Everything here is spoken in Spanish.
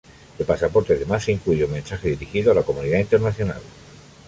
El pasaporte además incluye un mensaje dirigido a la comunidad internacional.